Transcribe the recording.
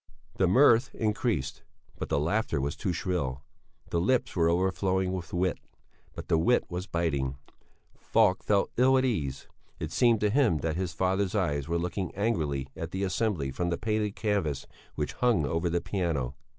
The mirth increased, but the laughter was too shrill; the lips were overflowing with wit, but the wit was biting. Falk felt ill at ease; it seemed to him that his father's eyes were looking angrily at the assembly from the painted canvas which hung over the piano.